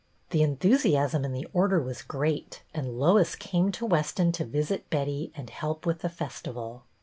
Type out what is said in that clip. The enthusiasm in the Order was great, and Lois came to Weston to visit Betty and help with the festival.